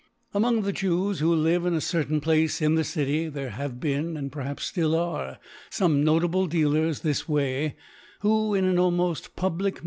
Among th/e Jews who live in a, certain Place in .the Ci ty, there have been, and (till are, fome noi table Dealers this Way,, who in an almoflb ^public